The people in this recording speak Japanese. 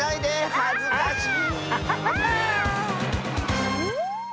はずかしい。